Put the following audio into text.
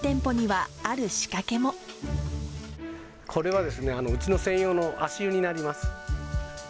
これはですね、うちの専用の足湯になります。